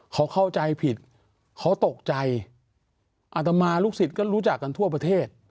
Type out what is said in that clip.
เขาเข้าใจผิดเขาตกใจอัตมาลูกศิษย์ก็รู้จักกันทั่วประเทศ